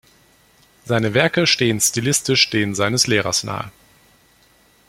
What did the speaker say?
Seine Werke stehen stilistisch denen seines Lehrers nahe.